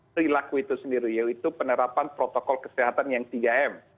perilaku itu sendiri yaitu penerapan protokol kesehatan yang tiga m